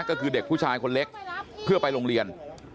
ก็คือเด็กผู้ชายคนเล็กเพื่อไปโรงเรียน